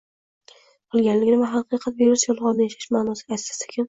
qilganligini va haqiqat virusi “yolg‘onda yashash” matosiga qanday asta-sekin